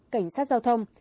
cảnh sát giao thông